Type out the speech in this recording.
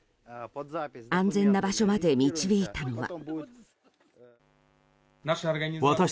安全な場所まで導いたのは。